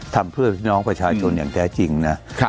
ทำเพื่อพี่น้องประชาชนอย่างแท้จริงนะ